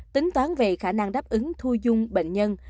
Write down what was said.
tính toán về khả năng đáp ứng thu dung bệnh nhân